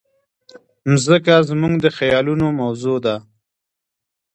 مځکه زموږ د خیالونو موضوع ده.